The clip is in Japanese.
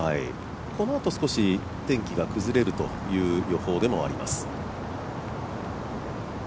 このあと少し天気が崩れるという予報でもあります。